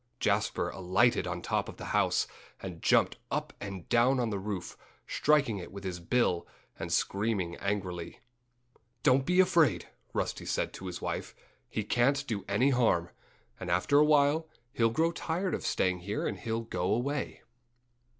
Jasper alighted on top of the house and jumped up and down on the roof, striking it with his bill and screaming angrily. "Don't be afraid!" Rusty said to his wife. "He can't do any harm. And after a while he'll grow tired of staying here and he'll go away."